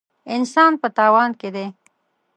انسان په تاوان کې دی.